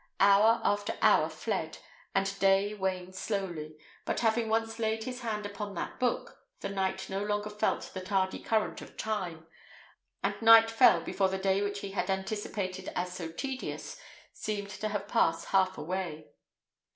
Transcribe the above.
Hour after hour fled, and day waned slowly; but having once laid his hand upon that book, the knight no longer felt the tardy current of the time, and night fell before the day which he anticipated as so tedious seemed to have half passed away.